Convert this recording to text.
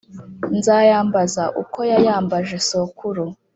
nzayambaza uko yayambaje sokuru